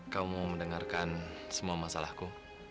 kamu mendengarkan semua masalahku